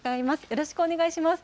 よろしくお願いします。